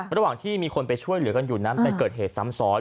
ระหว่างที่มีคนไปช่วยเหลือกันอยู่นั้นไปเกิดเหตุซ้ำซ้อน